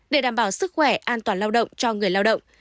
để đảm bảo sức khỏe an toàn lao động cho người lao động